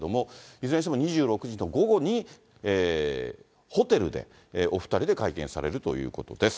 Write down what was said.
いずれにしても２６日の午後にホテルでお２人で会見されるということです。